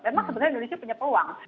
memang sebenarnya indonesia punya peluang